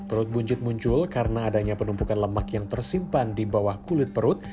perut buncit muncul karena adanya penumpukan lemak yang tersimpan di bawah kulit perut